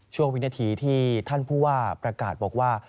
วินาทีที่ท่านผู้ว่าประกาศบอกว่า